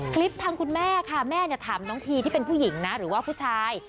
ทางคุณแม่ค่ะแม่ถามน้องพีที่เป็นผู้หญิงนะหรือว่าผู้ชาย